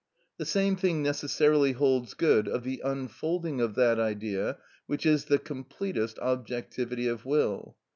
The same thing necessarily holds good of the unfolding of that Idea which is the completest objectivity of will.